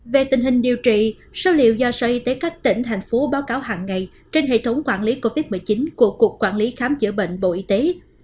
về tình hình điều trị số liệu do sở y tế các tỉnh thành phố báo cáo hàng ngày trên hệ thống quản lý covid một mươi chín của cục quản lý khám chữa bệnh bộ y tế